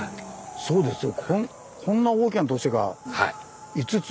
そうですよ